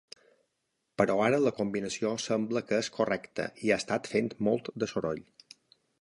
Però ara la combinació sembla que és correcta i ha estat fent molt de soroll.